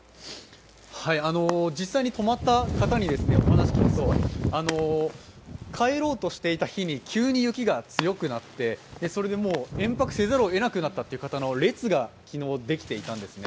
実際に泊まった方にお話を聞くと、帰ろうとしていた日に急に雪が強くなってそれで延泊せざるをえなくなったという人の列ができていたんですね。